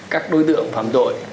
các đối tượng phạm tội